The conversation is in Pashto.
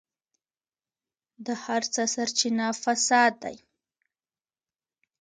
د هر څه سرچينه فساد دی.